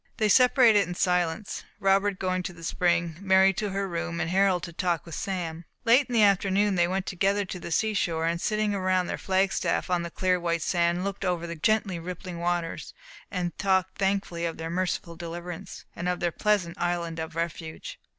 They separated in silence, Robert going to the spring, Mary to her room, and Harold to talk with Sam. Late in the afternoon they went together to the seashore, and sitting around their flag staff, on the clear white sand, looked over the gently rippling waters, and talked thankfully of their merciful deliverance, and of their pleasant Island of Refuge.